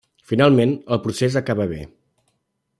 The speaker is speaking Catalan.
Finalment, el procés acaba bé.